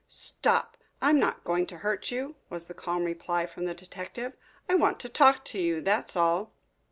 "Stop! I am not going to hurt you," was the calm reply from the detective. "I want to talk to you, that's all."